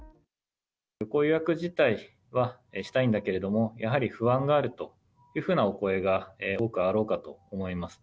旅行予約自体はしたいんだけれども、やはり不安があるというふうなお声が多くあろうかと思います。